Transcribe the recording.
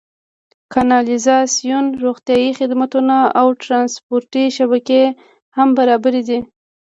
کانالیزاسیون، روغتیايي خدمتونه او ټرانسپورتي شبکې هم برابرې دي.